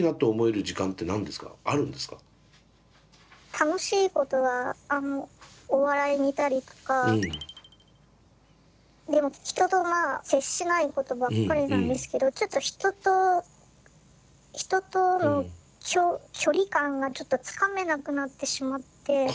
楽しいことはお笑い見たりとかでも人と接しないことばっかりなんですけどちょっと人と人との距離感がちょっとつかめなくなってしまって。